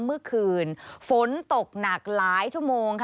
เมื่อคืนฝนตกหนักหลายชั่วโมงค่ะ